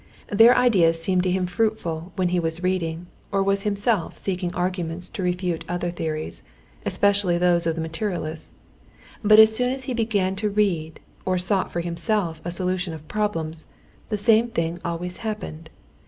Their ideas seemed to him fruitful when he was reading or was himself seeking arguments to refute other theories, especially those of the materialists; but as soon as he began to read or sought for himself a solution of problems, the same thing always happened.